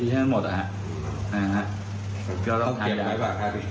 ไม่เก็บหรออ่ะค่ะฮะ